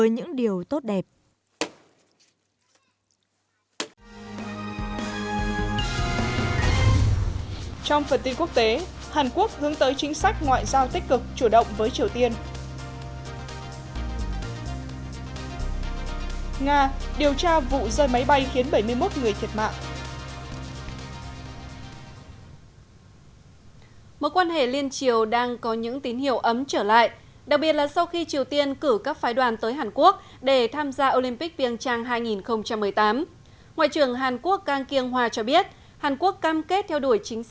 ngoại trưởng hàn quốc cang kiêng hòa cho biết hàn quốc cam kết theo đuổi chính sách ngoại giao tích cực và chủ động với triều tiên